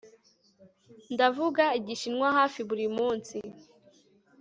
Ndavuga Igishinwa hafi buri munsi